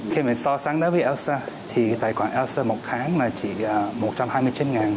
khi mình so sáng đó với elsa thì tài khoản elsa một tháng là chỉ một trăm hai mươi chín ngàn